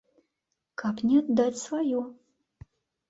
Каб не аддаць сваё.